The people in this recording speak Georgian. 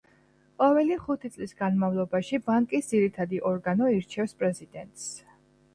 ყოველი ხუთი წლის განმავლობაში ბანკის ძირითადი ორგანო ირჩევს პრეზიდენტს.